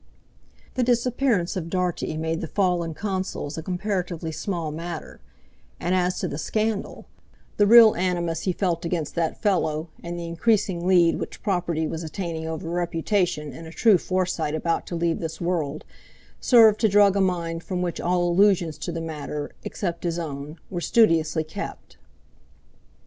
The disappearance of Dartie made the fall in Consols a comparatively small matter; and as to the scandal—the real animus he felt against that fellow, and the increasing lead which property was attaining over reputation in a true Forsyte about to leave this world, served to drug a mind from which all allusions to the matter (except his own) were studiously kept.